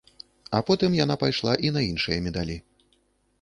А потым яна пайшла і на іншыя медалі.